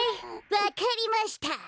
わかりました。